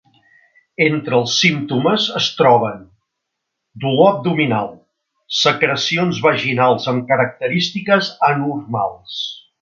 Entre els símptomes es troben: dolor abdominal, secrecions vaginals amb característiques anormals.